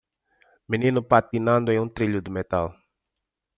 Menino patinando em um trilho de metal.